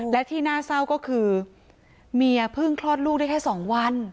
และที่น่าเศร้าก็คือเมียเพิ่งคลอดลูกได้แค่๒วัน